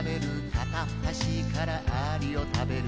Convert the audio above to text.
「片っ端からアリを食べる」